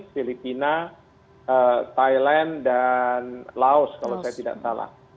filipina thailand dan laos kalau saya tidak salah